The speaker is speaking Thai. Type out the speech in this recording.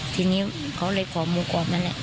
ทีนี้เขาเลยขอมูลกว่ามันแหละ